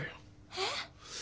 えっ！？